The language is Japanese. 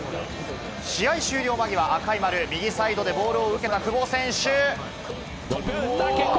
試合終了間際、赤い丸、右サイドでボールを受けた久保選手。